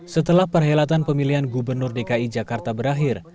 setelah perhelatan pemilihan gubernur dki jakarta berakhir